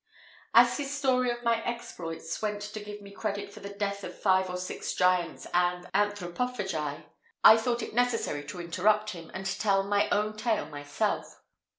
As his history of my exploits went to give me credit for the death of five or six giants and anthropophagi, I thought it necessary to interrupt him, and tell my own tale myself.